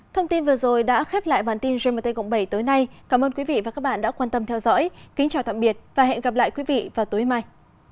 thông tin vừa rồi đã khép lại bản tin gmt cộng bảy tối nay cảm ơn quý vị và các bạn đã quan tâm theo dõi kính chào tạm biệt và hẹn gặp lại quý vị vào tối mai